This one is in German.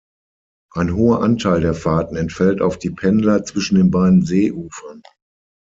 Ein hoher Anteil der Fahrten entfällt auf die Pendler zwischen den beiden Seeufern.